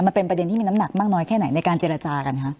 มันเป็นประเด็นที่มีน้ำหนักมากน้อยแค่ไหนในการเจรจากันคะ